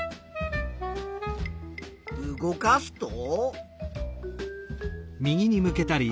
動かすと？